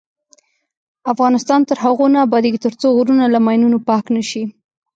افغانستان تر هغو نه ابادیږي، ترڅو غرونه له ماینونو پاک نشي.